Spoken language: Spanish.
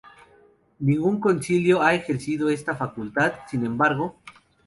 Ningún Concilio ha ejercido esta facultad, sin embargo.